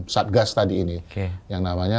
satgas tadi ini yang namanya